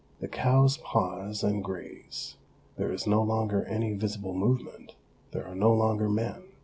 The cows pause and graze; there is no longer any visible movement, there are no longer men.